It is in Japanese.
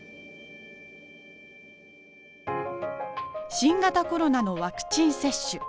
新型コロナのワクチン接種。